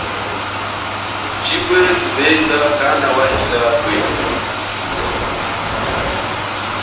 Chibwe thubeza kana wahilila kwehuka.